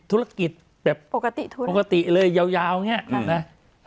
ธุรกิจแบบโปรกติธุรกิจโปรกติเลยยาวร้านไงใช่อ่า